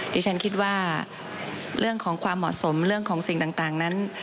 ดิฉันคิดว่าเรื่องของความเหมาะสมเรื่องของสิ่งต่างนั้น